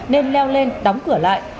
nên leo lên đóng cửa lại